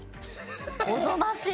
「おぞましい」。